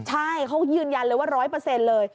ใช่เขายืนยันเลยว่าร้อยเปอร์เซ็นต์เลย